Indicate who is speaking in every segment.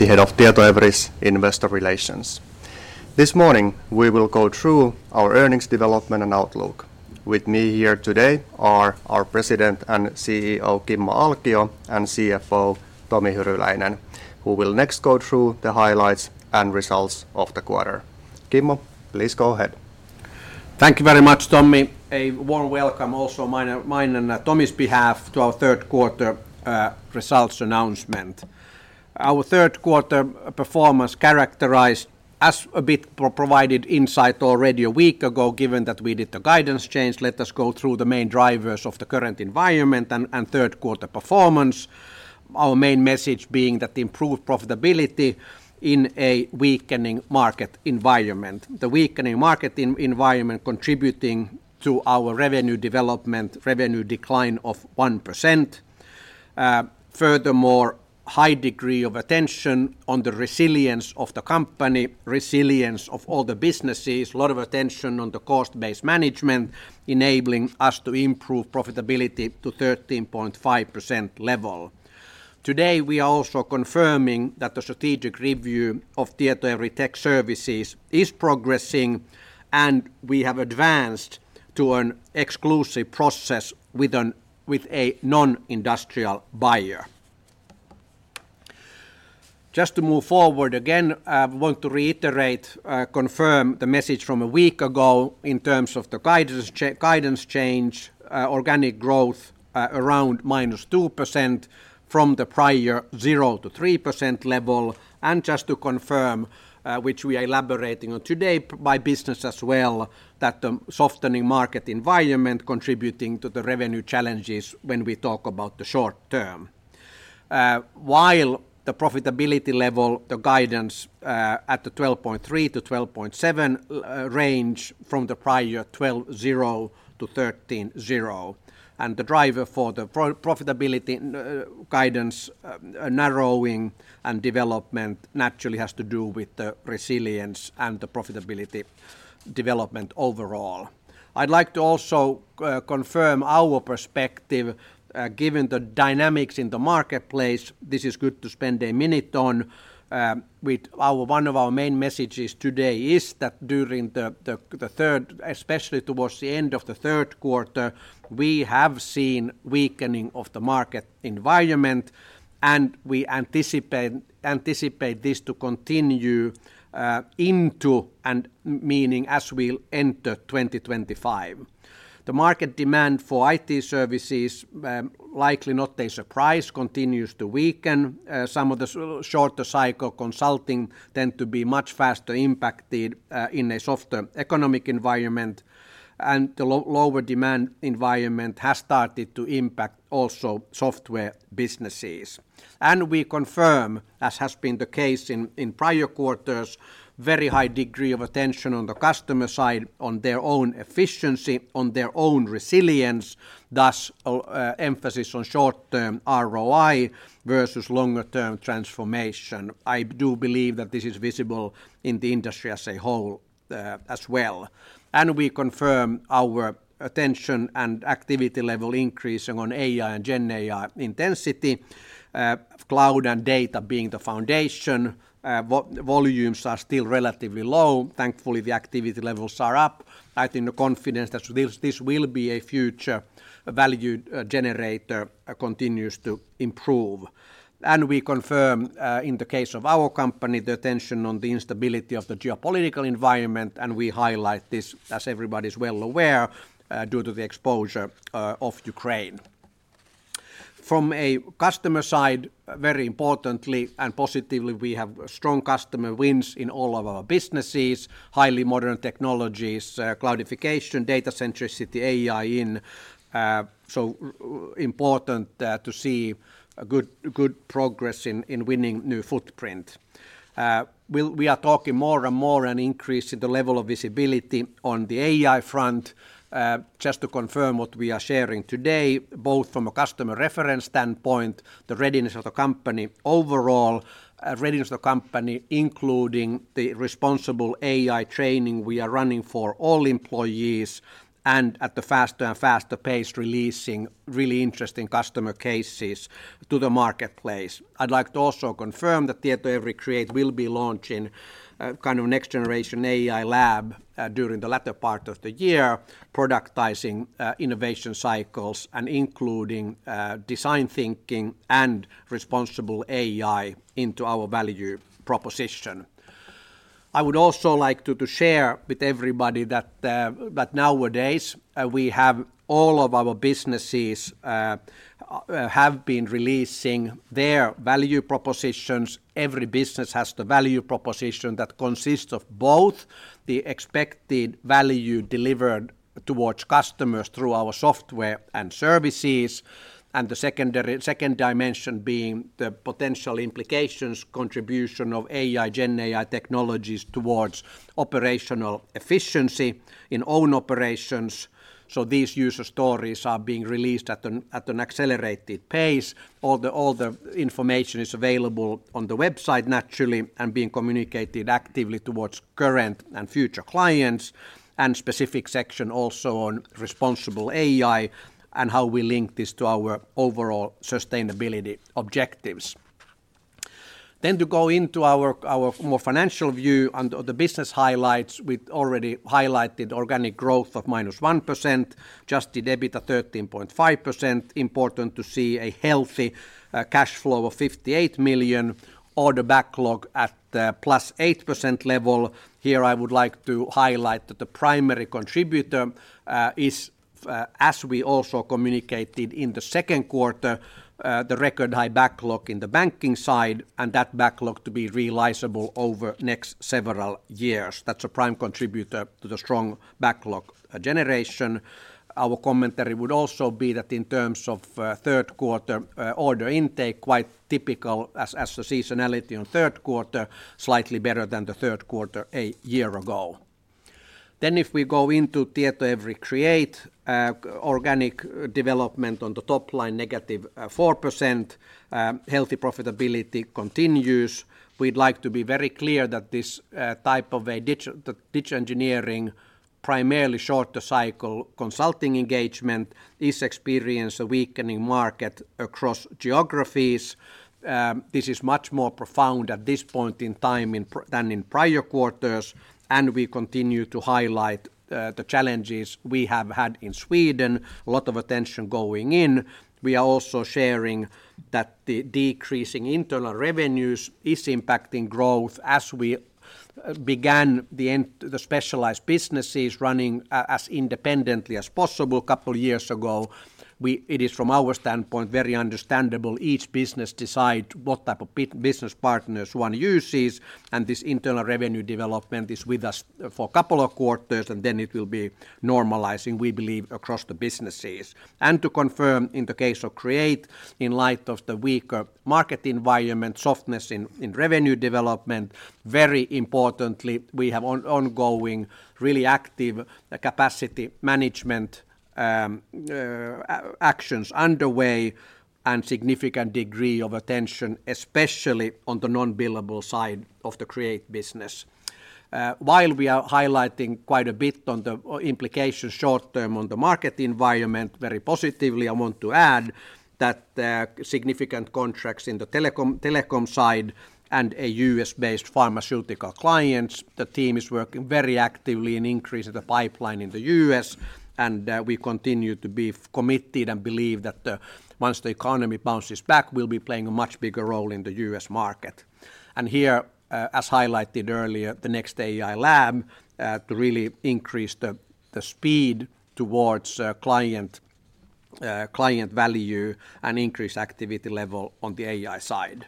Speaker 1: The head of Tietoevry's Investor Relations. This morning, we will go through our earnings development and outlook. With me here today are our President and CEO, Kimmo Alkio, and CFO, Tomi Hyryläinen, who will next go through the highlights and results of the quarter. Kimmo, please go ahead.
Speaker 2: Thank you very much, Tommi. A warm welcome also mine, mine and Tomi's behalf to our third quarter results announcement. Our third quarter performance characterized as a bit provided insight already a week ago, given that we did the guidance change. Let us go through the main drivers of the current environment and third quarter performance. Our main message being that improved profitability in a weakening market environment. The weakening market environment contributing to our revenue development, revenue decline of 1%. Furthermore, high degree of attention on the resilience of the company, resilience of all the businesses, a lot of attention on the cost-based management, enabling us to improve profitability to 13.5% level. Today, we are also confirming that the strategic review of Tietoevry Tech Services is progressing, and we have advanced to an exclusive process with a non-industrial buyer. Just to move forward again, I want to reiterate, confirm the message from a week ago in terms of the guidance change, organic growth, around -2% from the prior 0%-3% level, and just to confirm, which we are elaborating on today by business as well, that the softening market environment contributing to the revenue challenges when we talk about the short-term. While the profitability level, the guidance, at the 12.3-12.7 range from the prior 12.0-13.0, and the driver for the profitability guidance narrowing and development naturally has to do with the resilience and the profitability development overall. I'd like to also confirm our perspective, given the dynamics in the marketplace. This is good to spend a minute on. One of our main messages today is that during the third, especially towards the end of the third quarter, we have seen weakening of the market environment, and we anticipate this to continue into and meaning as we'll enter 2025. The market demand for IT services, likely not a surprise, continues to weaken. Some of the shorter cycle consulting tend to be much faster impacted in a softer economic environment, and the lower demand environment has started to impact also software businesses. And we confirm, as has been the case in prior quarters, very high degree of attention on the customer side, on their own efficiency, on their own resilience, thus emphasis on short-term ROI versus longer-term transformation. I do believe that this is visible in the industry as a whole, as well. And we confirm our attention and activity level increasing on AI and GenAI intensity, cloud and data being the foundation. Volumes are still relatively low. Thankfully, the activity levels are up. I think the confidence that this will be a future value generator continues to improve. We confirm, in the case of our company, the attention on the instability of the geopolitical environment, and we highlight this, as everybody is well aware, due to the exposure of Ukraine. From a customer side, very importantly and positively, we have strong customer wins in all of our businesses, highly modern technologies, cloudification, data centricity, AI in, so, important, to see a good progress in winning new footprint. We are talking more and more an increase in the level of visibility on the AI front. Just to confirm what we are sharing today, both from a customer reference standpoint, the readiness of the company overall, readiness of the company, including the responsible AI training we are running for all employees, and at a faster and faster pace, releasing really interesting customer cases to the marketplace. I'd like to also confirm that Tietoevry Create will be launching a kind of next-generation AI lab during the latter part of the year, productizing innovation cycles and including design thinking and responsible AI into our value proposition. I would also like to share with everybody that nowadays we have all of our businesses have been releasing their value propositions. Every business has the value proposition that consists of both the expected value delivered towards customers through our software and services, and the second dimension being the potential implications, contribution of AI, GenAI technologies towards operational efficiency in own operations. So these user stories are being released at an accelerated pace. All the information is available on the website, naturally, and being communicated actively towards current and future clients, and specific section also on responsible AI and how we link this to our overall sustainability objectives. Then to go into our more financial view and the business highlights, we've already highlighted organic growth of -1%, adjusted EBITDA 13.5%. Important to see a healthy cash flow of 58 million, order backlog at the +8% level. Here, I would like to highlight that the primary contributor is, as we also communicated in the second quarter, the record high backlog in the banking side, and that backlog to be realizable over next several years. That's a prime contributor to the strong backlog generation. Our commentary would also be that in terms of third quarter order intake, quite typical as the seasonality on third quarter, slightly better than the third quarter a year ago. Then if we go into Tietoevry Create, organic development on the top line, negative 4%, healthy profitability continues. We'd like to be very clear that this type of a digital engineering, primarily shorter cycle consulting engagement, is experiencing a weakening market across geographies. This is much more profound at this point in time than in prior quarters, and we continue to highlight the challenges we have had in Sweden, a lot of attention going in. We are also sharing that the decreasing internal revenues is impacting growth as we began to have the specialized businesses running as independently as possible a couple years ago. It is, from our standpoint, very understandable each business decide what type of business partners one uses, and this internal revenue development is with us, for a couple of quarters, and then it will be normalizing, we believe, across the businesses, and to confirm, in the case of Create, in light of the weaker market environment, softness in revenue development, very importantly, we have ongoing really active capacity management actions underway and significant degree of attention, especially on the non-billable side of the Create business. While we are highlighting quite a bit on the implications short-term on the market environment very positively, I want to add that the significant contracts in the telecom side and a U.S.-based pharmaceutical clients, the team is working very actively in increasing the pipeline in the U.S., and we continue to be committed and believe that once the economy bounces back, we'll be playing a much bigger role in the U.S. market. Here, as highlighted earlier, the next AI lab to really increase the speed towards client value and increase activity level on the AI side.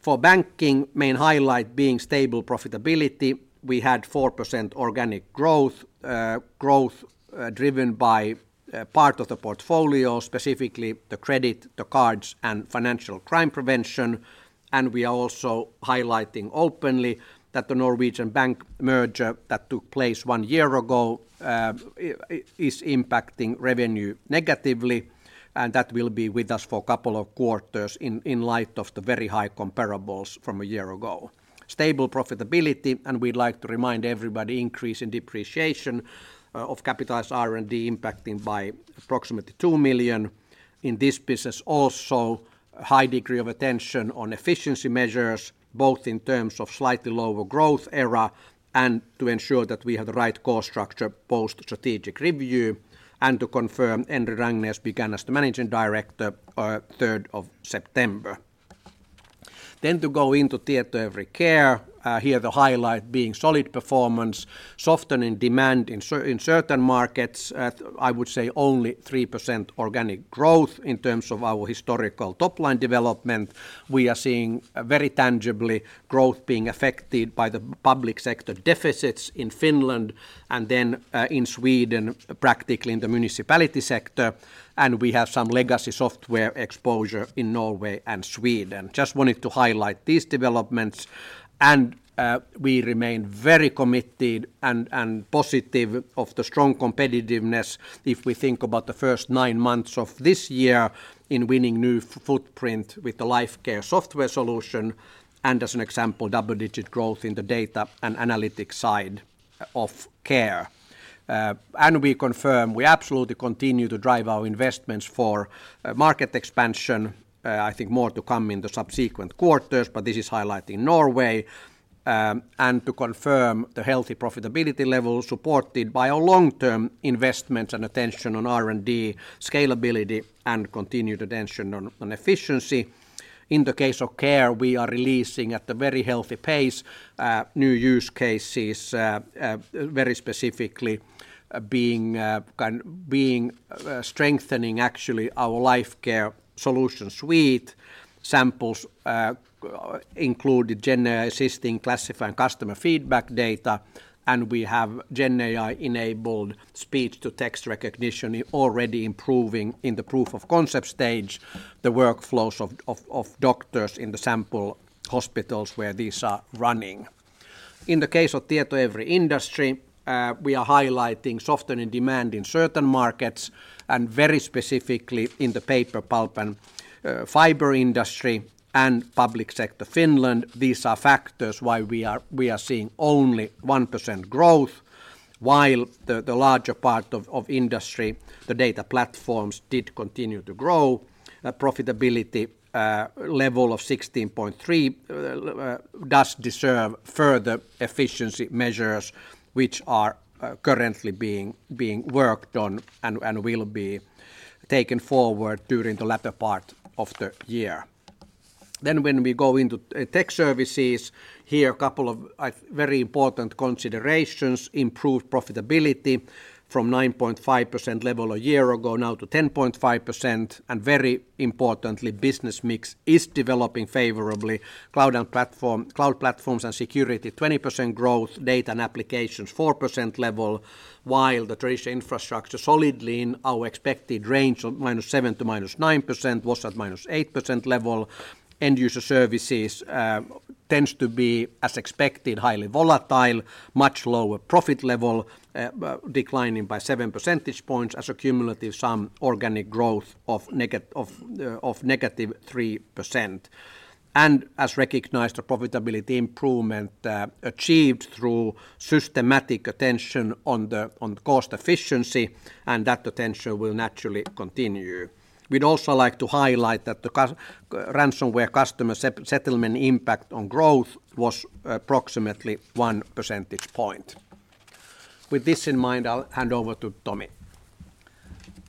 Speaker 2: For banking, main highlight being stable profitability, we had 4% organic growth driven by part of the portfolio, specifically the credit, the cards, and financial crime prevention. We are also highlighting openly that the Norwegian bank merger that took place one year ago is impacting revenue negatively, and that will be with us for a couple of quarters in light of the very high comparables from a year ago. Stable profitability, and we'd like to remind everybody, increase in depreciation of capitalized R&D impacting by approximately 2 million. In this business also, a high degree of attention on efficiency measures, both in terms of slightly lower growth area and to ensure that we have the right cost structure post-strategic review, and to confirm Endre Rangnes began as the managing director on third of September. Then to go into Tietoevry Care, here the highlight being solid performance, softening demand in certain markets. I would say only 3% organic growth in terms of our historical top-line development. We are seeing very tangibly growth being affected by the public sector deficits in Finland and then in Sweden, practically in the municipality sector, and we have some legacy software exposure in Norway and Sweden. Just wanted to highlight these developments, and we remain very committed and positive of the strong competitiveness if we think about the first nine months of this year in winning new footprint with the Lifecare software solution, and as an example, double-digit growth in the data and analytics side of Care. And we confirm we absolutely continue to drive our investments for market expansion. I think more to come in the subsequent quarters, but this is highlighting Norway. And to confirm the healthy profitability level, supported by our long-term investments and attention on R&D scalability and continued attention on efficiency. In the case of Care, we are releasing at a very healthy pace new use cases, very specifically being strengthening actually our Lifecare solution suite. Samples included gen AI assisting, classifying customer feedback data, and we have gen AI-enabled speech-to-text recognition already improving in the proof of concept stage, the workflows of doctors in the sample hospitals where these are running. In the case of Tietoevry Industry, we are highlighting softening demand in certain markets, and very specifically in the paper pulp and fiber industry and public sector Finland. These are factors why we are seeing only 1% growth, while the larger part of industry, the data platforms did continue to grow. A profitability level of 16.3 does deserve further efficiency measures, which are currently being worked on and will be taken forward during the latter part of the year, then when we go into tech services, here a couple of very important considerations: improved profitability from 9.5% level a year ago now to 10.5%, and very importantly, business mix is developing favorably. Cloud and platform, cloud platforms and security, 20% growth, data and applications, 4% level, while the traditional infrastructure solidly in our expected range of minus 7%-minus 9%, was at -8% level. End-user services tends to be, as expected, highly volatile, much lower profit level, declining by seven percentage points as a cumulative sum, organic growth of -3%. As recognized, the profitability improvement achieved through systematic attention on the cost efficiency, and that attention will naturally continue. We'd also like to highlight that the ransomware customer settlement impact on growth was approximately one percentage point. With this in mind, I'll hand over to Tomi.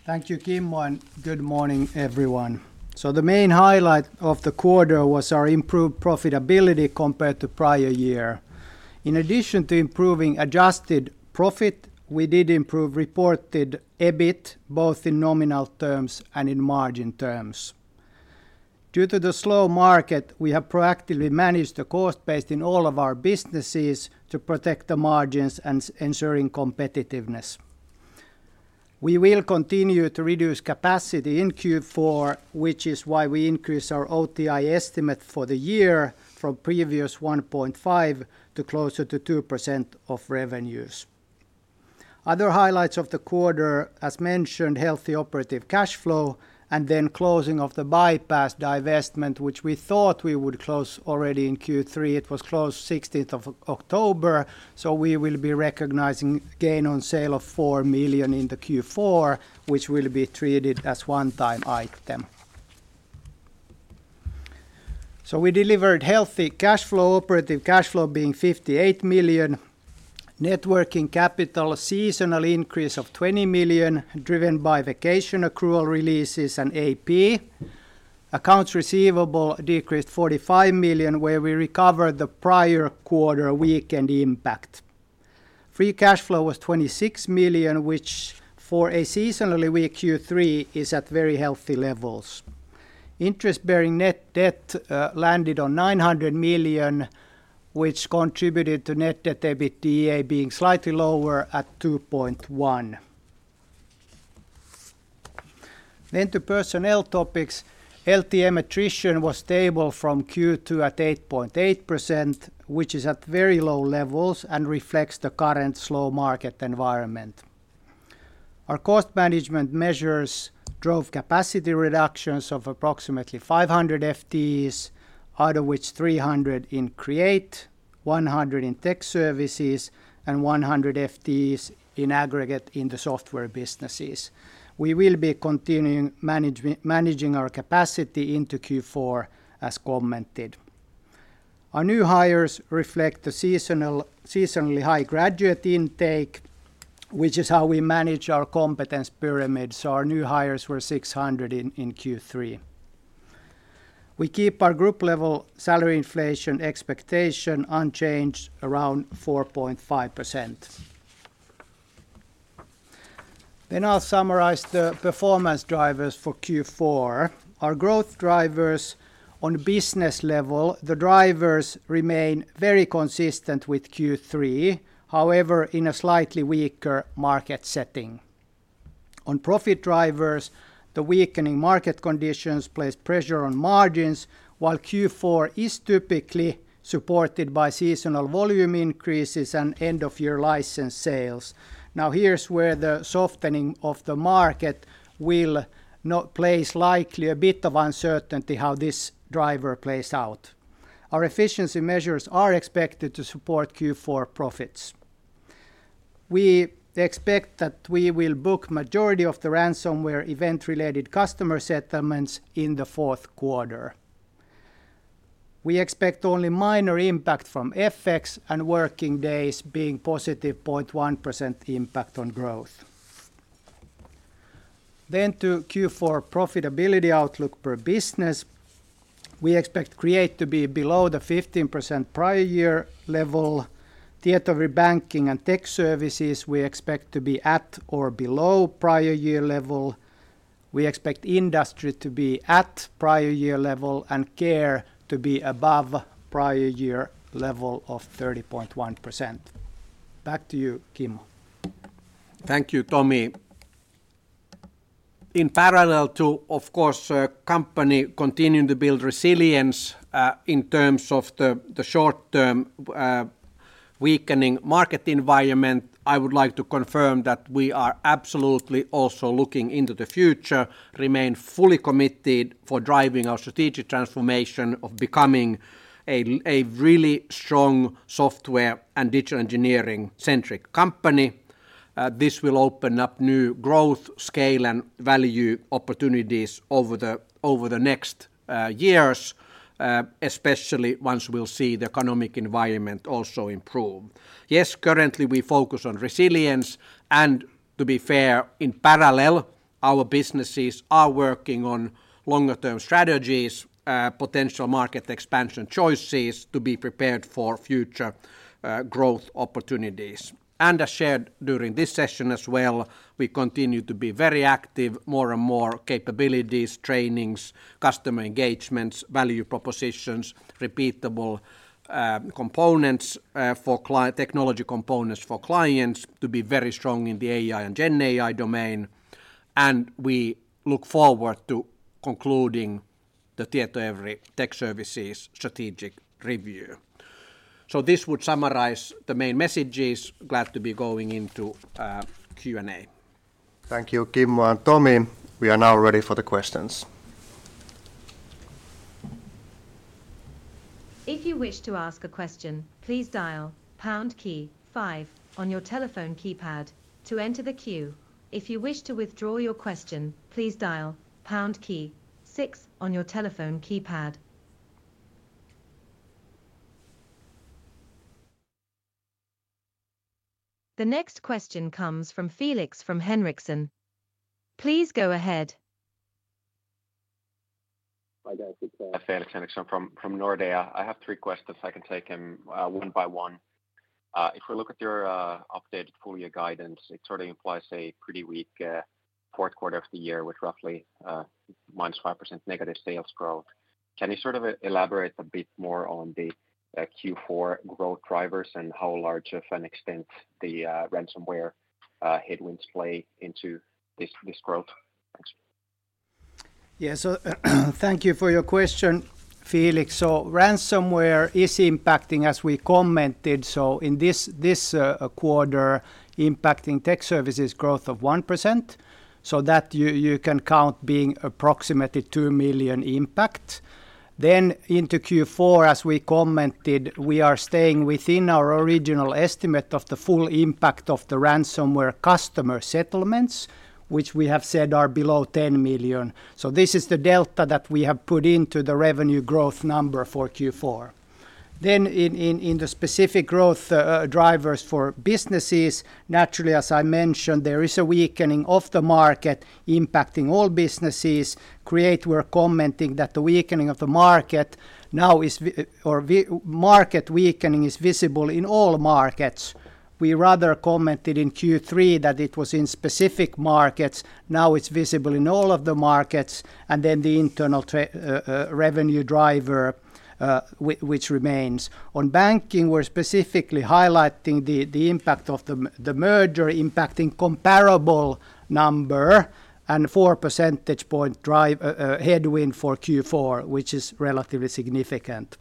Speaker 3: Thank you, Kimmo, and good morning, everyone. So the main highlight of the quarter was our improved profitability compared to prior year. In addition to improving adjusted profit, we did improve reported EBIT, both in nominal terms and in margin terms. Due to the slow market, we have proactively managed the cost base in all of our businesses to protect the margins and ensuring competitiveness. We will continue to reduce capacity in Q4, which is why we increased our OTI estimate for the year from previous 1.5% to closer to 2% of revenues. Other highlights of the quarter, as mentioned, healthy operating cash flow, and then closing of the bypass divestment, which we thought we would close already in Q3. It was closed October 16th, so we will be recognizing gain on sale of 4 million in the Q4, which will be treated as one-time item. So we delivered healthy cash flow, operative cash flow being 58 million, net working capital, a seasonal increase of 20 million, driven by vacation accrual releases and AP. Accounts receivable decreased 45 million, where we recovered the prior quarter weakened impact. Free cash flow was 26 million, which, for a seasonally weak Q3, is at very healthy levels. Interest-bearing net debt landed on 900 million, which contributed to net debt EBITDA being slightly lower at 2.1x. Then to personnel topics, LTM attrition was stable from Q2 at 8.8%, which is at very low levels and reflects the current slow market environment. Our cost management measures drove capacity reductions of approximately 500 FDEs, out of which 300 in Create, 100 in Tech Services, and 100 FDEs in aggregate in the software businesses. We will be continuing managing our capacity into Q4, as commented. Our new hires reflect the seasonally high graduate intake, which is how we manage our competence pyramid, so our new hires were 600 in Q3. We keep our group-level salary inflation expectation unchanged around 4.5%. Then I'll summarize the performance drivers for Q4. Our growth drivers on business level, the drivers remain very consistent with Q3, however, in a slightly weaker market setting. On profit drivers, the weakening market conditions place pressure on margins, while Q4 is typically supported by seasonal volume increases and end-of-year license sales. Now, here's where the softening of the market will not take place, likely a bit of uncertainty how this driver plays out. Our efficiency measures are expected to support Q4 profits. We expect that we will book majority of the ransomware event-related customer settlements in the fourth quarter. We expect only minor impact from FX and working days being positive 0.1% impact on growth. Then to Q4 profitability outlook per business, we expect Create to be below the 15% prior year level. Data, Banking, and Tech Services, we expect to be at or below prior year level. We expect Industry to be at prior year level, and Care to be above prior year level of 30.1%. Back to you, Kimmo.
Speaker 2: Thank you, Tomi. In parallel to, of course, company continuing to build resilience, in terms of the, the short-term, weakening market environment, I would like to confirm that we are absolutely also looking into the future, remain fully committed for driving our strategic transformation of becoming a, a really strong software and digital engineering-centric company. This will open up new growth, scale, and value opportunities over the next, years, especially once we'll see the economic environment also improve. Yes, currently we focus on resilience, and to be fair, in parallel our businesses are working on longer-term strategies, potential market expansion choices to be prepared for future, growth opportunities. And as shared during this session as well, we continue to be very active, more and more capabilities, trainings, customer engagements, value propositions, repeatable, components, for client-technology components for clients to be very strong in the AI and GenAI domain. And we look forward to concluding the Tietoevry Tech Services strategic review. So this would summarize the main messages. Glad to be going into Q&A.
Speaker 1: Thank you, Kimmo and Tomi. We are now ready for the questions.
Speaker 4: If you wish to ask a question, please dial pound key five on your telephone keypad to enter the queue. If you wish to withdraw your question, please dial pound key six on your telephone keypad. The next question comes from Felix Henriksen. Please go ahead.
Speaker 5: Hi, guys. It's Felix Henriksson from Nordea. I have three questions. I can take them one by one. If we look at your updated full year guidance, it sort of implies a pretty weak fourth quarter of the year, with roughly minus 5% negative sales growth. Can you sort of elaborate a bit more on the Q4 growth drivers and how large of an extent the ransomware headwinds play into this growth? Thanks.
Speaker 3: Yeah. So, thank you for your question, Felix. So ransomware is impacting, as we commented, so in this quarter, impacting tech services growth of 1%, so that you can count being approximately 2 million impact. Then into Q4, as we commented, we are staying within our original estimate of the full impact of the ransomware customer settlements, which we have said are below 10 million. So this is the delta that we have put into the revenue growth number for Q4. Then in the specific growth drivers for businesses, naturally, as I mentioned, there is a weakening of the market impacting all businesses. Create, we're commenting that the weakening of the market now is visible, or market weakening is visible in all markets. We rather commented in Q3 that it was in specific markets. Now it's visible in all of the markets, and then the internal revenue driver, which remains. On banking, we're specifically highlighting the impact of the merger impacting comparable number and four percentage point headwind for Q4, which is relatively significant.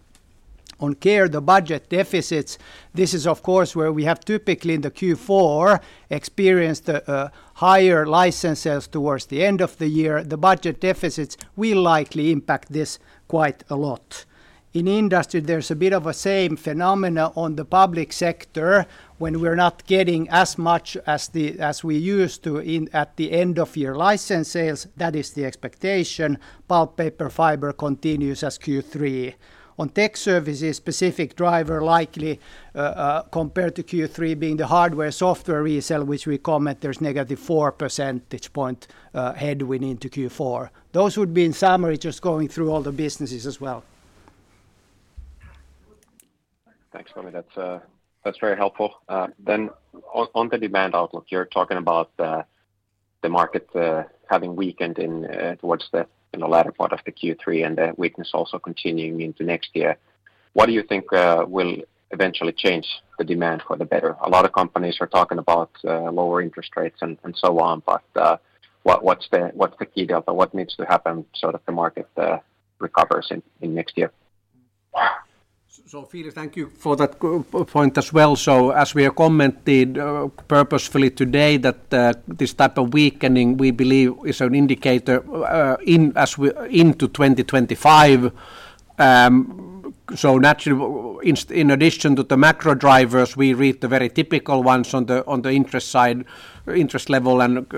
Speaker 3: On care, the budget deficits, this is, of course, where we have typically in the Q4 experienced a higher license sales towards the end of the year. The budget deficits will likely impact this quite a lot. In industry, there's a bit of a same phenomena on the public sector when we're not getting as much as we used to in at the end of year license sales. That is the expectation. Pulp paper fiber continues as Q3. On tech services, specific driver likely, compared to Q3 being the hardware/software resale, which we comment, there's negative four percentage point headwind into Q4. Those would be in summary, just going through all the businesses as well.
Speaker 5: Thanks Tomi. That's very helpful. Then on the demand outlook, you're talking about the market having weakened in the latter part of the Q3 and the weakness also continuing into next year. What do you think will eventually change the demand for the better? A lot of companies are talking about lower interest rates and so on, but what's the key delta? What needs to happen so that the market recovers in next year?
Speaker 2: So Felix, thank you for that good point as well. As we have commented purposefully today, that this type of weakening, we believe, is an indicator into 2025. Naturally, in addition to the macro drivers, we have the very typical ones on the interest side, interest level, and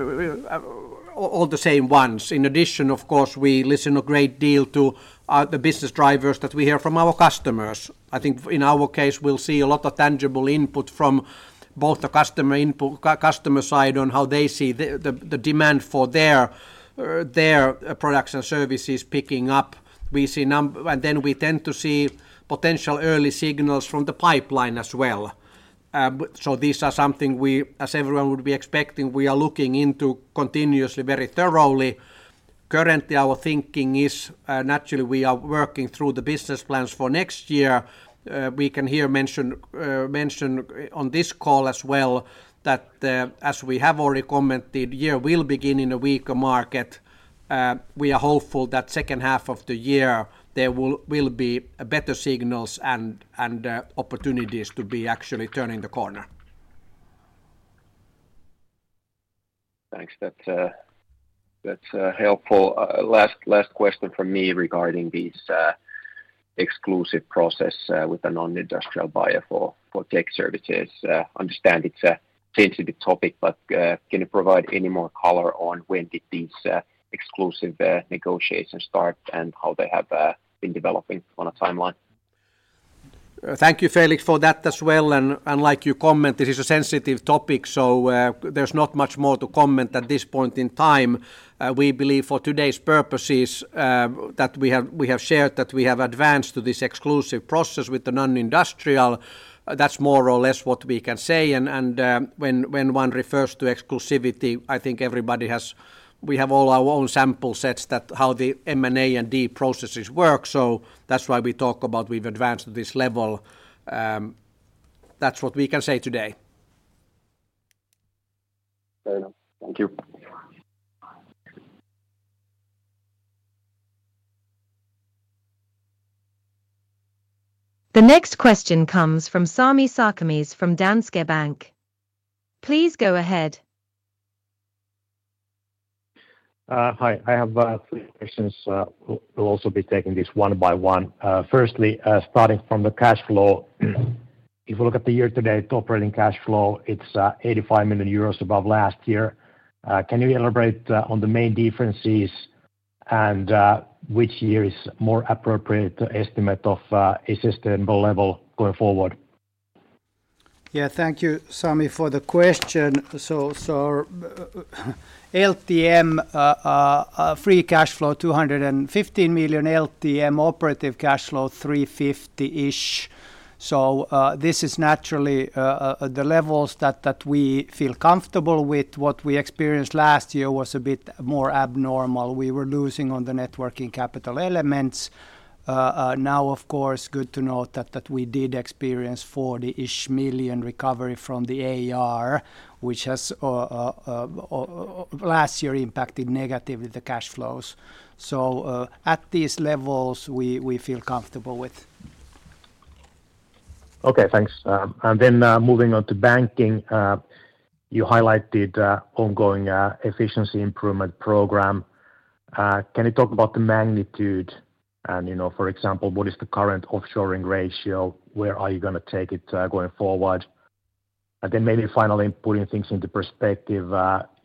Speaker 2: all the same ones. In addition, of course, we listen a great deal to the business drivers that we hear from our customers. I think in our case, we'll see a lot of tangible input from both the customer input, customer side on how they see the demand for their products and services picking up. And then we tend to see potential early signals from the pipeline as well. But so these are something we, as everyone would be expecting, we are looking into continuously, very thoroughly. Currently, our thinking is, naturally, we are working through the business plans for next year. We can here mention on this call as well, that, as we have already commented, year will begin in a weaker market. We are hopeful that second half of the year, there will be a better signals and opportunities to be actually turning the corner.
Speaker 5: Thanks. That's helpful. Last question from me regarding this exclusive process with a non-industrial buyer for tech services. Understand it's a sensitive topic, but can you provide any more color on when did these exclusive negotiations start and how they have been developing on a timeline?
Speaker 3: Thank you, Felix, for that as well. And like you comment, it is a sensitive topic, so there's not much more to comment at this point in time. We believe for today's purposes that we have shared that we have advanced to this exclusive process with the non-industrial. That's more or less what we can say. And when one refers to exclusivity, I think everybody has. We have all our own sample sets that how the M&A and D processes work. So that's why we talk about we've advanced to this level. That's what we can say today.
Speaker 5: Fair enough. Thank you.
Speaker 4: The next question comes from Sami Sarkamies from Danske Bank. Please go ahead.
Speaker 6: Hi. I have three questions. We'll also be taking this one by one. Firstly, starting from the cash flow, if you look at the year-to-date operating cash flow, it's 85 million euros above last year. Can you elaborate on the main differences and which year is more appropriate to estimate of a sustainable level going forward?
Speaker 3: Yeah, thank you, Sami, for the question. So, LTM free cash flow 215 million, LTM operating cash flow 350-ish. So, this is naturally the levels that we feel comfortable with. What we experienced last year was a bit more abnormal. We were losing on the working capital elements. Now, of course, good to note that we did experience 40-ish million recovery from the AR, which has last year impacted negatively the cash flows. So, at these levels, we feel comfortable with.
Speaker 6: Okay, thanks. And then moving on to banking, you highlighted ongoing efficiency improvement program. Can you talk about the magnitude and, you know, for example, what is the current offshoring ratio? Where are you going to take it going forward? And then maybe finally, putting things into perspective,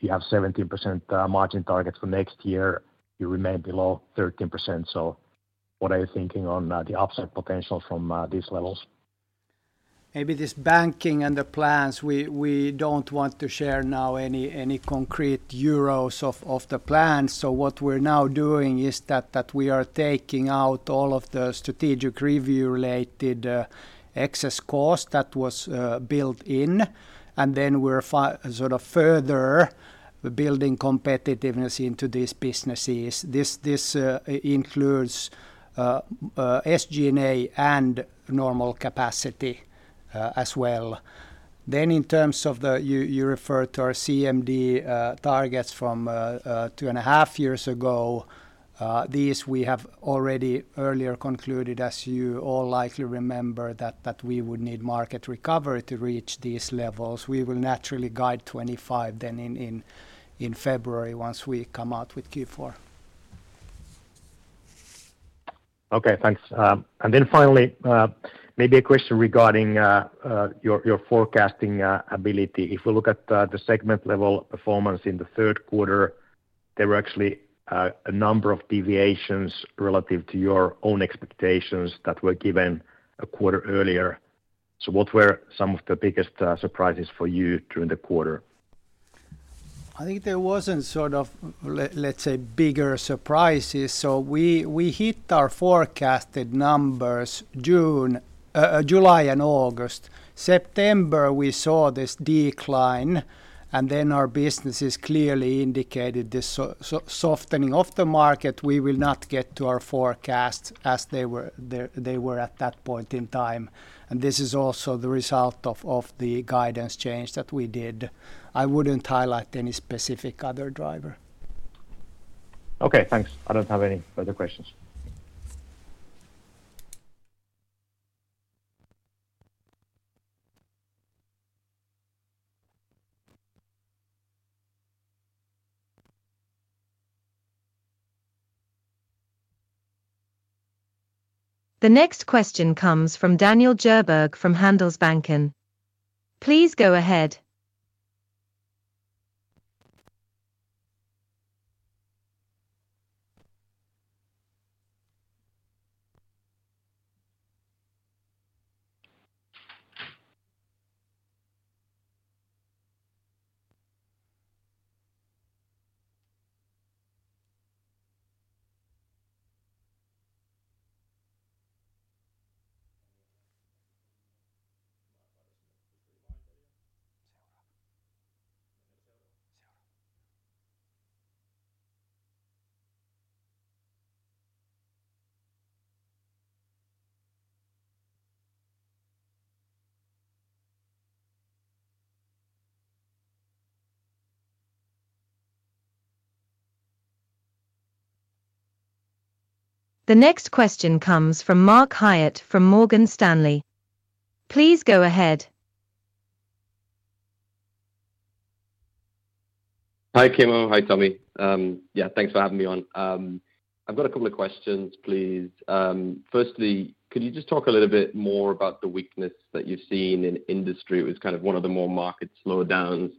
Speaker 6: you have 17% margin target for next year, you remain below 13%. So what are you thinking on the upside potential from these levels?
Speaker 3: Maybe this banking and the plans, we don't want to share now any concrete euros of the plan. So what we're now doing is that we are taking out all of the strategic review-related excess cost that was built in, and then we're sort of further building competitiveness into these businesses. This includes SG&A and normal capacity as well. Then in terms of the, you referred to our CMD targets from two and a half years ago. These we have already earlier concluded, as you all likely remember, that we would need market recovery to reach these levels. We will naturally guide 2025 then in February once we come out with Q4.
Speaker 6: Okay, thanks, and then finally, maybe a question regarding your forecasting ability. If we look at the segment level performance in the third quarter, there were actually a number of deviations relative to your own expectations that were given a quarter earlier. So what were some of the biggest surprises for you during the quarter?
Speaker 3: I think there wasn't sort of, let's say, bigger surprises. So we hit our forecasted numbers June, July and August. September, we saw this decline, and then our businesses clearly indicated this softening of the market. We will not get to our forecast as they were there, they were at that point in time, and this is also the result of the guidance change that we did. I wouldn't highlight any specific other driver.
Speaker 6: Okay, thanks. I don't have any further questions.
Speaker 4: The next question comes from Daniel Djurberg from Handelsbanken. Please go ahead. The next question comes from Mark Hyatt from Morgan Stanley. Please go ahead.
Speaker 7: Hi, Kimmo. Hi, Tomi. Yeah, thanks for having me on. I've got a couple of questions, please. Firstly, could you just talk a little bit more about the weakness that you've seen in industry? It was kind of one of the more market slowdowns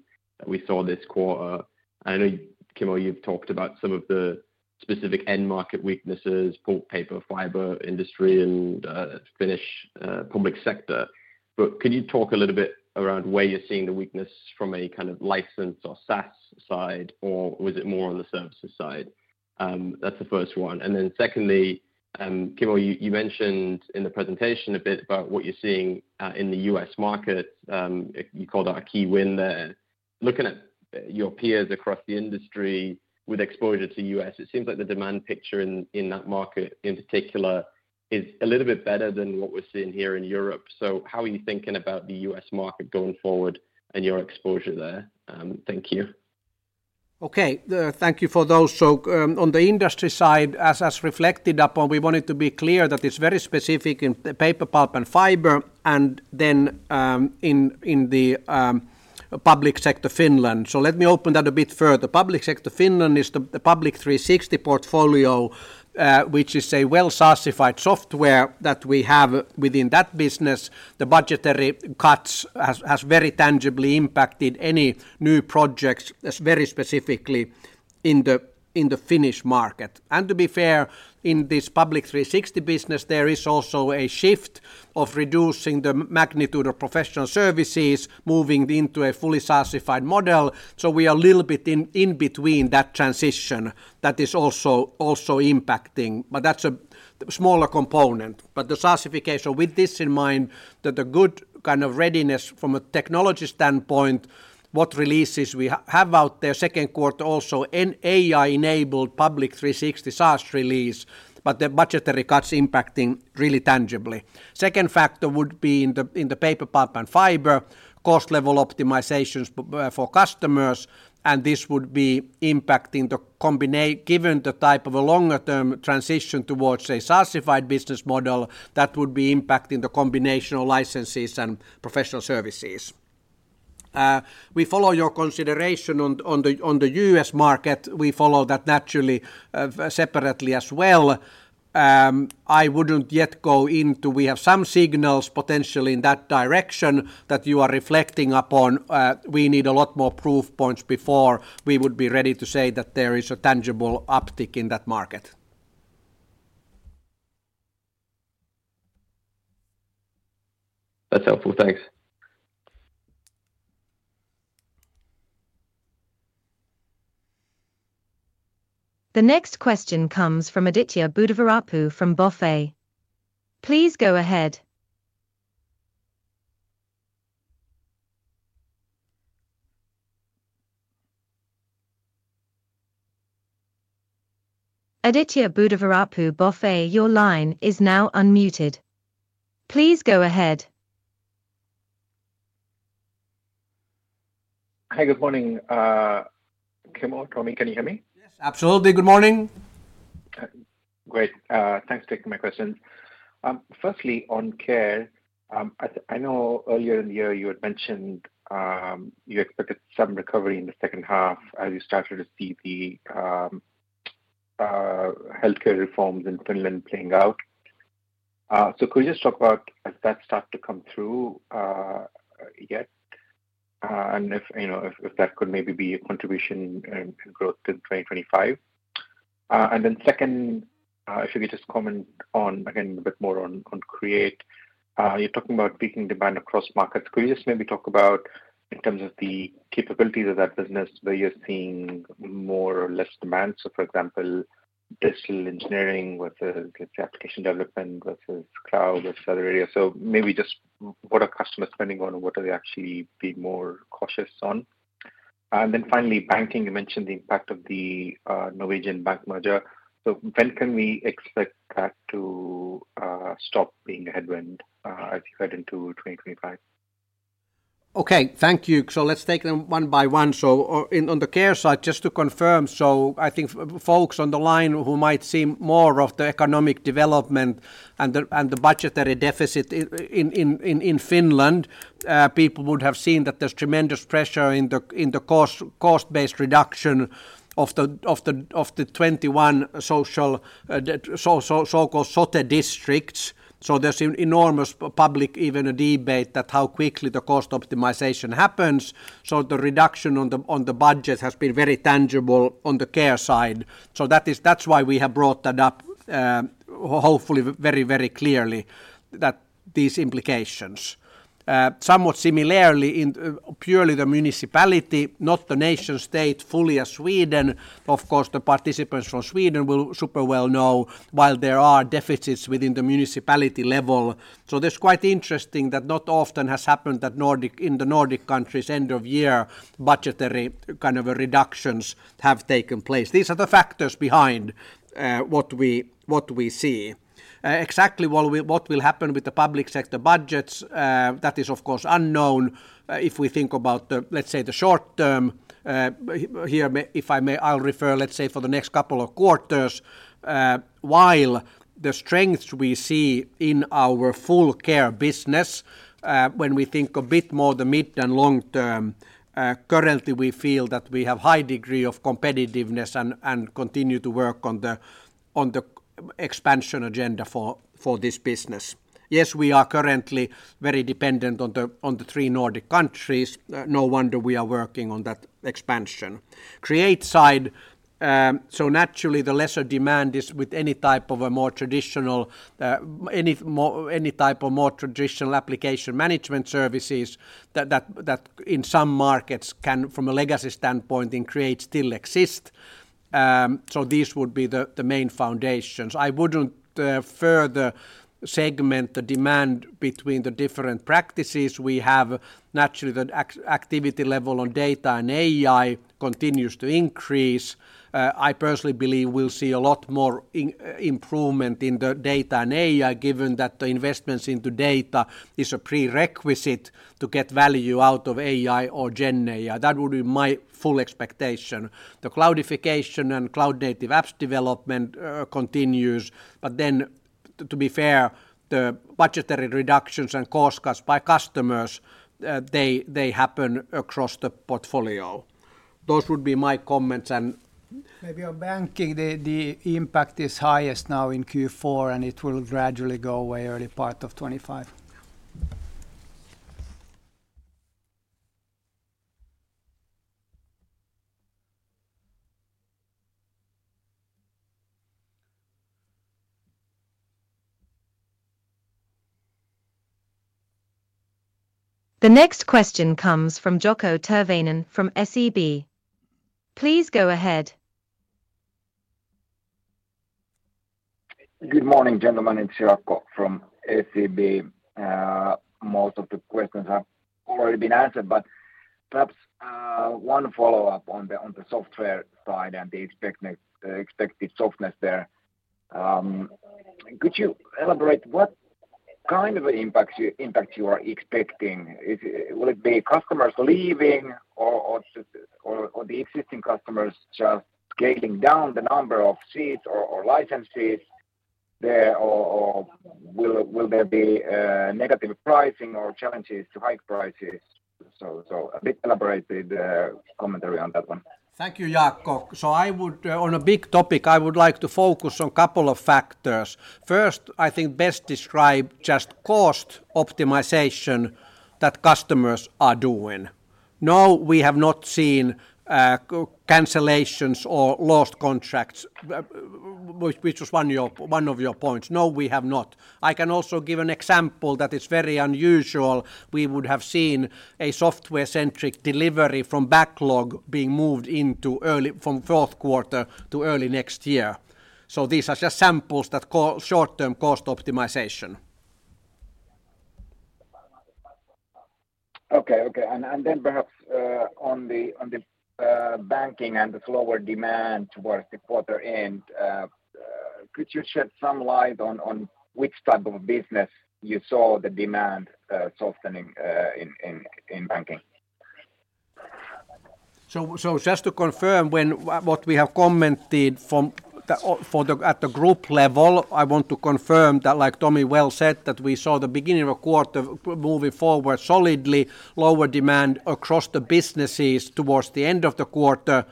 Speaker 7: we saw this quarter. I know, Kimmo, you've talked about some of the specific end market weaknesses, pulp, paper, fiber, industry, and Finnish public sector. But could you talk a little bit around where you're seeing the weakness from a kind of license or SaaS side, or was it more on the services side? That's the first one. And then secondly, Kimmo, you, you mentioned in the presentation a bit about what you're seeing in the U.S. market. You called that a key win there. Looking at your peers across the industry with exposure to U.S., it seems like the demand picture in that market, in particular, is a little bit better than what we're seeing here in Europe. So how are you thinking about the U.S. market going forward and your exposure there? Thank you.
Speaker 2: Okay, thank you for those. So, on the industry side, as reflected upon, we want it to be clear that it's very specific in the paper, pulp, and fiber, and then, in the public sector Finland. So let me open that a bit further. Public sector Finland is the Public 360 portfolio, which is a well SaaS-ified software that we have within that business. The budgetary cuts has very tangibly impacted any new projects as very specifically in the Finnish market. And to be fair, in this Public 360 business, there is also a shift of reducing the magnitude of professional services, moving into a fully SaaS-ified model. So we are a little bit in between that transition that is also impacting, but that's a smaller component. But the SaaS-ification, with this in mind, that the good kind of readiness from a technology standpoint, what releases we have out there, second quarter also, an AI-enabled Public 360 SaaS release, but the budgetary cuts impacting really tangibly. Second factor would be in the, in the paper, pulp, and fiber, cost level optimizations for customers, and this would be impacting the given the type of a longer-term transition towards a SaaS-ified business model, that would be impacting the combination of licenses and professional services. We follow your consideration on, on the, on the US market. We follow that naturally, separately as well. I wouldn't yet go into... We have some signals potentially in that direction that you are reflecting upon. We need a lot more proof points before we would be ready to say that there is a tangible uptick in that market.
Speaker 7: That's helpful. Thanks.
Speaker 4: The next question comes from Aditya Budvarapu from Bank of America. Please go ahead. Aditya Budvarapu, Bank of America, your line is now unmuted. Please go ahead.
Speaker 8: Hi, good morning. Kimmo, Tomi, can you hear me?
Speaker 2: Yes, absolutely. Good morning.
Speaker 8: Great. Thanks for taking my questions. Firstly, on care, I know earlier in the year you had mentioned you expected some recovery in the second half as you started to see the healthcare reforms in Finland playing out. So could you just talk about has that started to come through yet? And if you know if that could maybe be a contribution in growth in 2025. And then second, if you could just comment on again a bit more on Create. You're talking about peaking demand across markets. Could you just maybe talk about in terms of the capabilities of that business where you're seeing more or less demand? So, for example, digital engineering versus application development versus cloud or other areas. So maybe just what are customers spending on, and what are they actually being more cautious on? And then finally, banking, you mentioned the impact of the Norwegian bank merger. So when can we expect that to stop being a headwind as we head into 2025?
Speaker 2: Okay, thank you. So let's take them one by one. So on the care side, just to confirm, so I think folks on the line who might see more of the economic development and the budgetary deficit in Finland, people would have seen that there's tremendous pressure in the cost-based reduction of the 21 social, so called Sote districts. So there's an enormous public, even a debate, that how quickly the cost optimization happens. So the reduction on the budget has been very tangible on the care side. So that's why we have brought that up, hopefully, very, very clearly, that these implications. Somewhat similarly, in purely the municipality, not the nation state, fully as Sweden, of course, the participants from Sweden will super well know, while there are deficits within the municipality level, so that's quite interesting that not often has happened in the Nordic countries, end-of-year budgetary, kind of, reductions have taken place. These are the factors behind what we see. Exactly what will happen with the public sector budgets, that is, of course, unknown. If we think about the, let's say, short-term, here, if I may, I'll refer, let's say, for the next couple of quarters, while the strengths we see in our Care business, when we think a bit more about the mid and long-term, currently we feel that we have high degree of competitiveness and continue to work on the expansion agenda for this business. Yes, we are currently very dependent on the three Nordic countries, no wonder we are working on that expansion. Create side, so naturally, the lesser demand is with any type of a more traditional application management services that in some markets can, from a legacy standpoint, in Create still exist. So these would be the main foundations. I wouldn't further segment the demand between the different practices we have. Naturally, the activity level on data and AI continues to increase. I personally believe we'll see a lot more improvement in the data and AI, given that the investments into data is a prerequisite to get value out of AI or GenAI. That would be my full expectation. The cloudification and cloud-native apps development continues, but then to be fair, the budgetary reductions and cost cuts by customers, they happen across the portfolio. Those would be my comments, and-Maybe on banking, the impact is highest now in Q4, and it will gradually go away early part of 2025.
Speaker 4: The next question comes from Jaakko Tyrväinen from SEB. Please go ahead.
Speaker 9: Good morning, gentlemen. It's Jaakko from SEB. Most of the questions have already been answered, but perhaps one follow-up on the software side and the expected softness there. Could you elaborate what kind of impact you are expecting? Will it be customers leaving or just the existing customers scaling down the number of seats or licenses there? Or will there be negative pricing or challenges to hike prices? A bit elaborated commentary on that one.
Speaker 2: Thank you, Jaakko. So I would, on a big topic, I would like to focus on couple of factors. First, I think best describe just cost optimization that customers are doing. No, we have not seen cancellations or lost contracts, which was one of your points. No, we have not. I can also give an example that is very unusual. We would have seen a software-centric delivery from backlog being moved into early from fourth quarter to early next year. So these are just samples that call short-term cost optimization.
Speaker 9: Okay. And then perhaps on the banking and the slower demand towards the quarter end, could you shed some light on which type of business you saw the demand softening in banking?
Speaker 2: So just to confirm what we have commented from the, at the group level, I want to confirm that like Tomi well said, that we saw the beginning of quarter moving forward solidly, lower demand across the businesses towards the end of the quarter.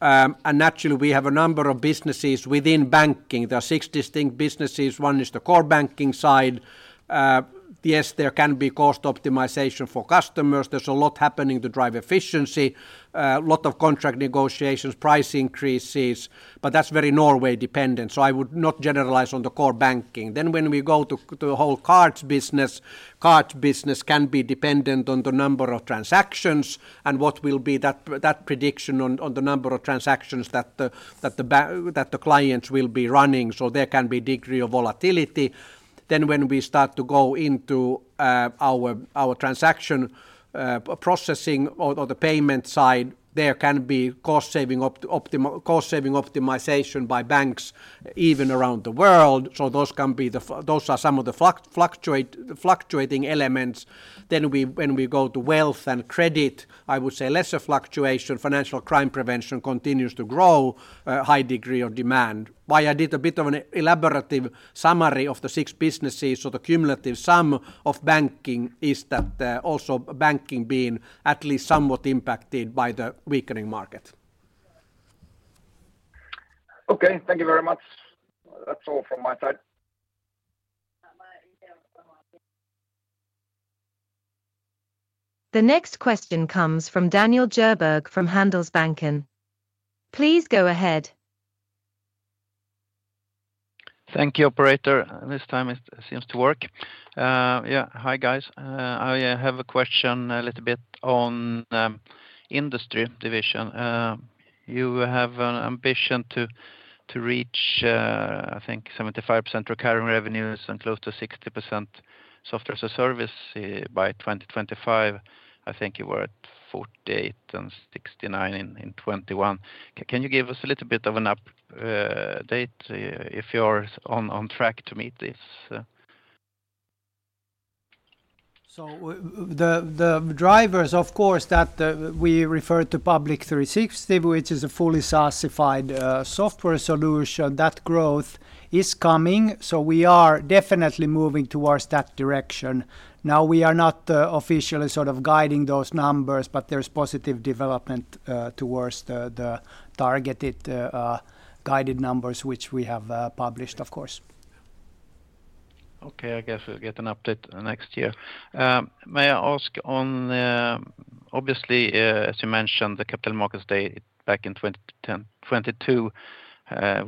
Speaker 2: And naturally, we have a number of businesses within banking. There are six distinct businesses. One is the core banking side. Yes, there can be cost optimization for customers. There's a lot happening to drive efficiency, lot of contract negotiations, price increases, but that's very Norway-dependent, so I would not generalize on the core banking. Then when we go to the whole cards business, cards business can be dependent on the number of transactions and what will be that prediction on the number of transactions that the clients will be running, so there can be degree of volatility. Then when we start to go into our transaction processing or the payment side, there can be cost-saving optimization by banks, even around the world, so those are some of the fluctuating elements. Then when we go to wealth and credit, I would say lesser fluctuation, financial crime prevention continues to grow, high degree of demand. Why, I did a bit of an elaborative summary of the six businesses, so the cumulative sum of banking is that, also banking being at least somewhat impacted by the weakening market.
Speaker 9: Okay, thank you very much. That's all from my side.
Speaker 4: The next question comes from Daniel Djurberg from Handelsbanken. Please go ahead.
Speaker 10: Thank you, operator. This time it seems to work. Yeah, hi, guys. I have a question a little bit on industry division. You have an ambition to reach, I think, 75% recurring revenues and close to 60% software as a service by 2025. I think you were at 48% and 69% in 2021. Can you give us a little bit of an update if you're on track to meet this?
Speaker 3: So the drivers, of course, that we refer to Public 360, which is a fully SaaS-ified software solution, that growth is coming, so we are definitely moving towards that direction. Now, we are not officially sort of guiding those numbers, but there's positive development towards the targeted guided numbers, which we have published, of course.
Speaker 10: Okay, I guess we'll get an update next year. May I ask on, obviously, as you mentioned, the capital markets day back in 2022,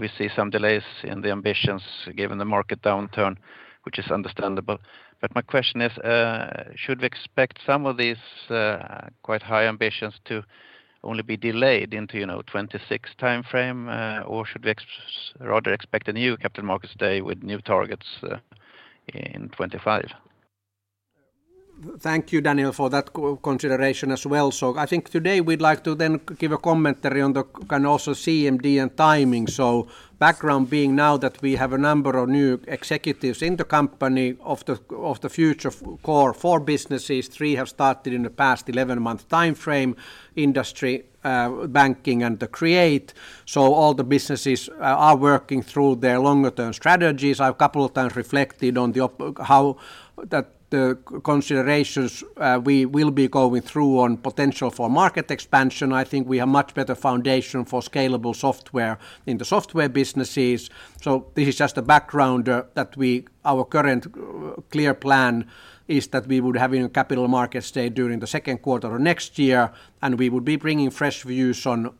Speaker 10: we see some delays in the ambitions given the market downturn, which is understandable. But my question is, should we expect some of these quite high ambitions to only be delayed into, you know, 2026 timeframe, or should we rather expect a new capital markets day with new targets in 2025?
Speaker 2: Thank you, Daniel, for that consideration as well. So I think today we'd like to then give a commentary on the, kind of, also CMD and timing. So background being now that we have a number of new executives in the company of the future core four businesses, three have started in the past eleven-month timeframe: industry, banking, and the Create. So all the businesses are working through their longer-term strategies. I've a couple of times reflected on how the considerations we will be going through on potential for market expansion. I think we have much better foundation for scalable software in the software businesses. So this is just a background, tha our current, clear plan is that we would have in a capital markets day during the second quarter of next year, and we would be bringing fresh views on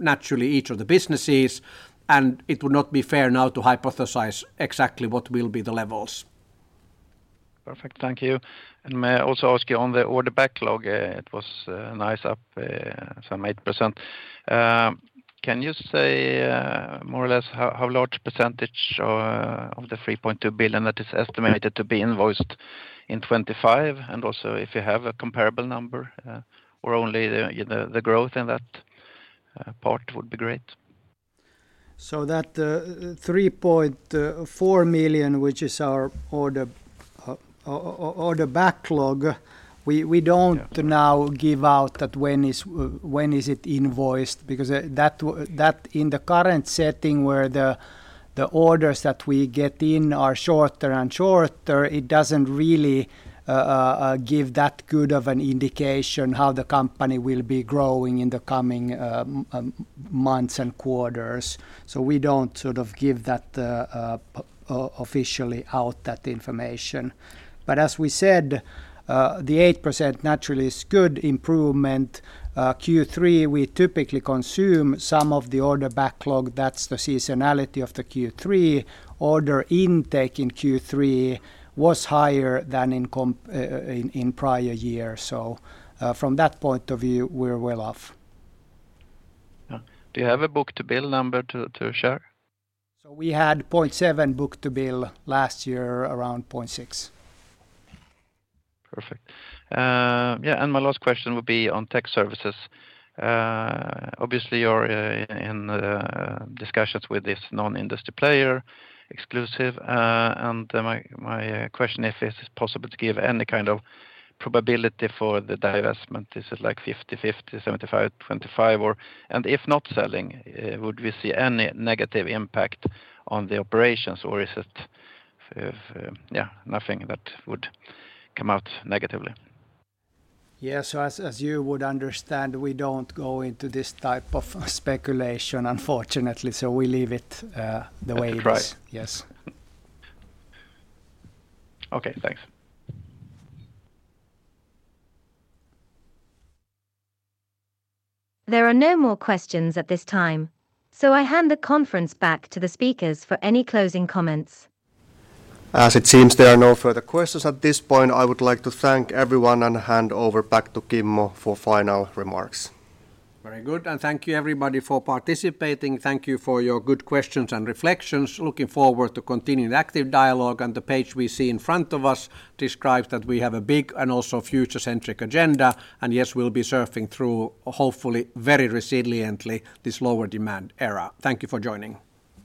Speaker 2: naturally each of the businesses, and it would not be fair now to hypothesize exactly what will be the levels.
Speaker 10: Perfect. Thank you. And may I also ask you on the order backlog? It was nicely up some 8%. Can you say more or less how large percentage of the 3.2 billion that is estimated to be invoiced in 2025? And also if you have a comparable number or only the growth in that part would be great.
Speaker 2: So that 3.4 million, which is our order backlog, we don't now give out that when is it invoiced, because that in the current setting where the orders that we get in are shorter and shorter, it doesn't really give that good of an indication how the company will be growing in the coming months and quarters. So we don't sort of give that officially out, that information. But as we said, the 8% naturally is good improvement. Q3, we typically consume some of the order backlog. That's the seasonality of the Q3. Order intake in Q3 was higher than in prior years. So from that point of view, we're well off.
Speaker 10: Yeah. Do you have a book-to-bill number to share?
Speaker 2: So we had 0.7 book-to-bill. Last year, around 0.6.
Speaker 10: Perfect. Yeah, and my last question would be on tech services. Obviously, you're in discussions with this non-industry player, exclusive. And my question, if it's possible to give any kind of probability for the divestment, is it like 50/50, 75/25, or? And if not selling, would we see any negative impact on the operations, or is it yeah, nothing that would come out negatively?
Speaker 2: Yeah, so as you would understand, we don't go into this type of speculation, unfortunately, so we leave it the way it is. Yes.
Speaker 10: Okay, thanks.
Speaker 4: There are no more questions at this time, so I hand the conference back to the speakers for any closing comments.
Speaker 1: As it seems there are no further questions at this point, I would like to thank everyone and hand over back to Kimmo for final remarks.
Speaker 2: Very good, and thank you, everybody, for participating. Thank you for your good questions and reflections. Looking forward to continuing the active dialogue, and the page we see in front of us describes that we have a big and also future-centric agenda, and yes, we'll be surfing through, hopefully, very resiliently, this lower demand era. Thank you for joining.